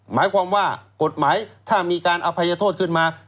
หมายความว่ากฎหมายถ้ามีการอภัยโทษขึ้นมา